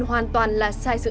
to lên một buổi là nó to lên luôn